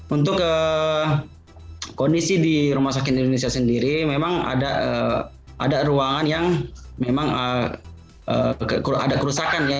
untuk kondisi di rumah sakit indonesia sendiri memang ada ruangan yang memang ada kerusakan ya